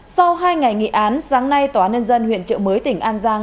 sau hai ngày nghị án sáng nay tòa nhân dân huyện trợ mới tỉnh an giang